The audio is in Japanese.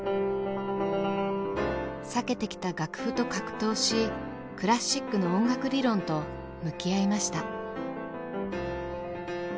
避けてきた楽譜と格闘しクラシックの音楽理論と向き合いました。